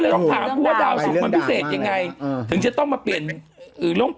ต้องถามว่าดาวสุขมันพิเศษยังไงถึงจะต้องมาเปลี่ยนดวงเปลี่ยนอะไรกันหรือเปล่า